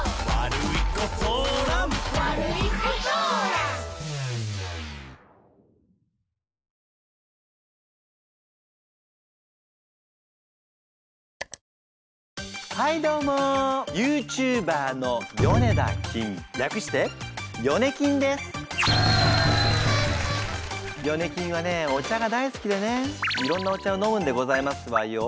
りゃくしてヨネキンはねお茶が大好きでねいろんなお茶を飲むんでございますわよ。